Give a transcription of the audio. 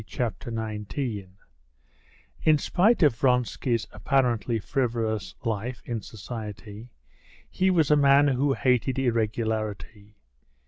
Chapter 19 In spite of Vronsky's apparently frivolous life in society, he was a man who hated irregularity.